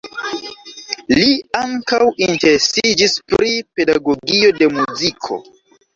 Li ankaŭ interesiĝis pri pedagogio de muziko.